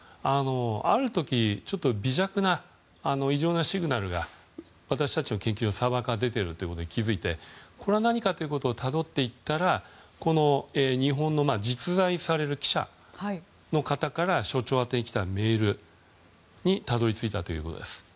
ある時、微弱な異常なシグナルが私たちの研究所のサーバーから出ていることが分かってこれは何かということをたどっていったら実在される記者の方から所長宛てに来たメールにたどり着いたということです。